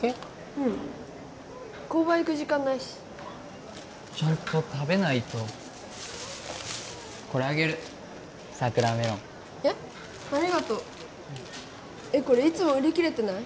うん購買行く時間ないしちゃんと食べないとこれあげる桜メロンえっありがとうこれいつも売り切れてない？